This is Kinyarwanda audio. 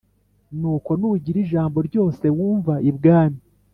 Nuko nugira ijambo ryose wumva ibwami